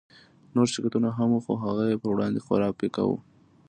نور شرکتونه هم وو خو هغه يې پر وړاندې خورا پيکه وو.